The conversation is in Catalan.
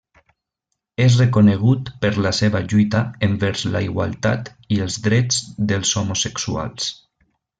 És reconegut per la seva lluita envers la igualtat i els drets dels homosexuals.